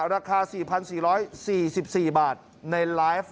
ราคาสี่พันสี่ร้อยสี่สิบสี่บาทในไลฟ์